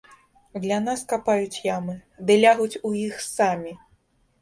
Для нас капаюць ямы, ды лягуць у іх самі!